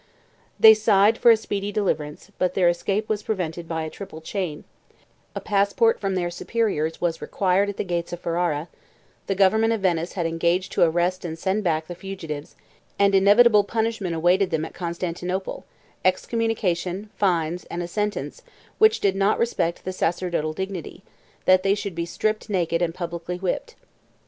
59 They sighed for a speedy deliverance, but their escape was prevented by a triple chain: a passport from their superiors was required at the gates of Ferrara; the government of Venice had engaged to arrest and send back the fugitives; and inevitable punishment awaited them at Constantinople; excommunication, fines, and a sentence, which did not respect the sacerdotal dignity, that they should be stripped naked and publicly whipped.